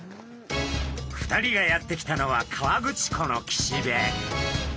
２人がやって来たのは河口湖の岸辺。